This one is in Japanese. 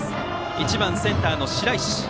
１番センターの白石。